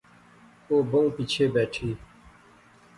او بہوں پیچھے بیٹھی